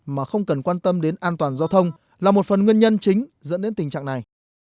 mà không cần quan tâm đến an toàn giao thông là một phần nguyên nhân chính dẫn đến tình trạng này